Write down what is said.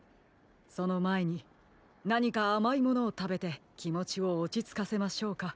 そのまえになにかあまいものをたべてきもちをおちつかせましょうか。